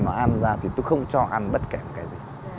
mà ăn ra thì tôi không cho ăn bất kể một cái gì